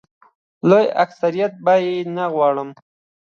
لوی اکثریت به یې نه غواړي.